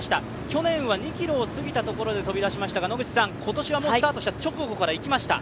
去年は２ｋｍを過ぎたところで飛び出しましたが今年はスタート直後からいきました。